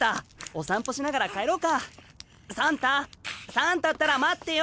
サンタったら待ってよ。